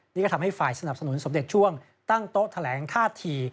นี่ก็ทำให้ฝ่ายสนับสนุนสมเด็จช่วงตั้งโต๊ะแถลงท่าที